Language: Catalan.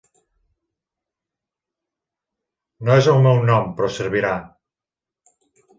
No és el meu nom però servirà.